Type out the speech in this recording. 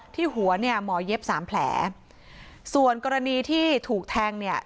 หัวเนี่ยหมอเย็บสามแผลส่วนกรณีที่ถูกแทงเนี่ย